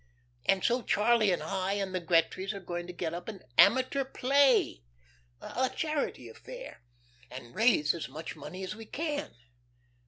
And so Charlie and I and the Gretrys are going to get up an amateur play a charity affair and raise as much money as we can.